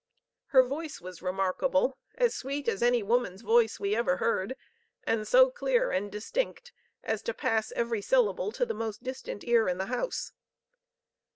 Her voice was remarkable as sweet as any woman's voice we ever heard, and so clear and distinct as to pass every syllable to the most distant ear in the house.